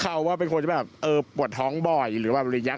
เขาว่าเป็นคนแบบเออปวดท้องบ่อยหรือแบบนี้เนี่ย